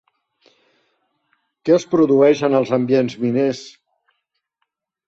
Què es produeix en els ambients miners?